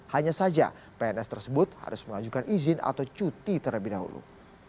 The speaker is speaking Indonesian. hanya saja pns tersebut harus mengajukan izin atau cuti terlebih dahulu